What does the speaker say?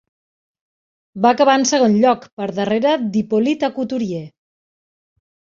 Va acabar en segon lloc, per darrere d'Hippolyte Aucouturier.